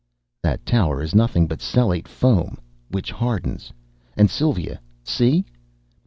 "That tower is nothing but cellate foam, which hardens. And Sylva! See?"